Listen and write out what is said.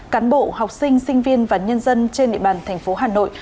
cán bộ học sinh sinh viên và nhân dân trên địa bàn thành phố hà nội